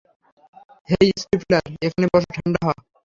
হেই Stifler, এখানে বসে ঠাণ্ডা হ।